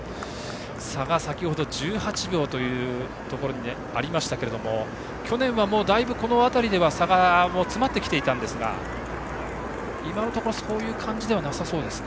差が先程は１８秒でしたが去年は、だいぶこの辺りでは差が詰まってきていたのですが今のところ、そういう感じではなさそうですね。